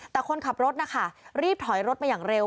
แต่คนขับรถนะคะรีบถอยรถมาอย่างเร็ว